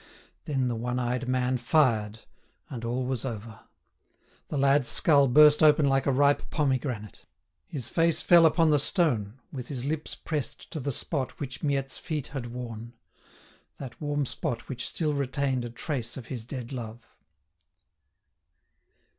Then the one eyed man fired, and all was over; the lad's skull burst open like a ripe pomegranate; his face fell upon the stone, with his lips pressed to the spot which Miette's feet had worn—that warm spot which still retained a trace of his dead love.